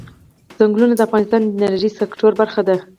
چنګلونه د افغانستان د انرژۍ سکتور برخه ده.